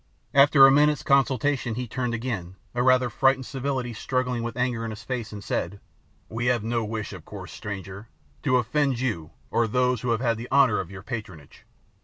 After a minute's consultation he turned again, a rather frightened civility struggling in his face with anger, and said, "We have no wish, of course, stranger, to offend you or those who had the honour of your patronage.